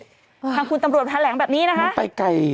ทางคุณตำรวจแถลงแบบนี้นะคะ